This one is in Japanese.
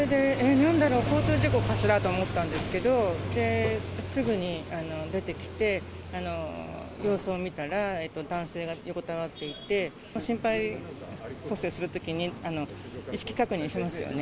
なんだろう、交通事故かしらと思ったんですけど、すぐに出てきて、様子を見たら、男性が横たわっていて、心肺蘇生するときに、意識確認しますよね。